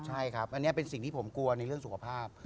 ใช่ครับอันนี้เป็นสิ่งที่ผมกลัวในเรื่องสุขภาพ